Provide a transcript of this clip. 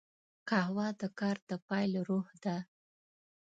قهوه د کار د پیل روح ده